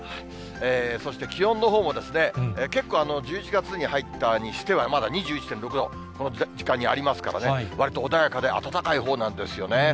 そして気温のほうも、結構、１１月に入ったにしては、まだ２１．６度、この時間にありますからね、わりと穏やかで暖かいほうなんですよね。